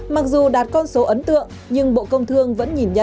mặc dù đạt con số ấn tượng nhưng bộ công thương vẫn nhìn nhận